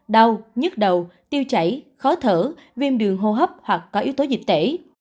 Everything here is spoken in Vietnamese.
đau nhức đầu tiêu chảy khó thở viêm đường hô hấp hoặc có yếu tố dịch tễ